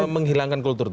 menghilangkan kultur itu